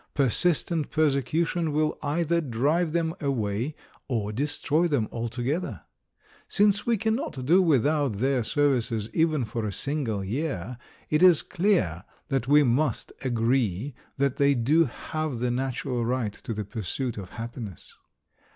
Persistent persecution will either drive them away or destroy them altogether. Since we cannot do without their services even for a single year, it is clear that we must agree that they do have the natural right to the pursuit of happiness.